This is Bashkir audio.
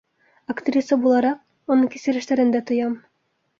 Актриса булараҡ, уның кисерештәрен дә тоям.